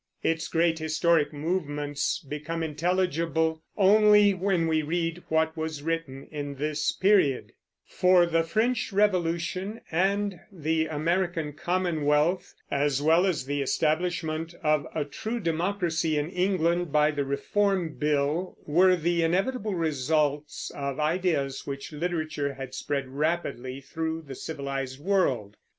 Its great historic movements become intelligible only when we read what was written in this period; for the French Revolution and the American commonwealth, as well as the establishment of a true democracy in England by the Reform Bill, were the inevitable results of ideas which literature had spread rapidly through the civilized world.